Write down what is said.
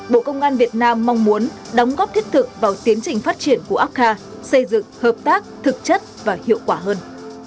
bộ công an việt nam mong muốn đóng góp thiết thực vào tiến trình phát triển của apca xây dựng hợp tác thực chất và hiệu quả hơn